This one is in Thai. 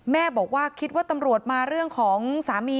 แม่บอกว่าคิดว่าตำรวจมาเรื่องของสามี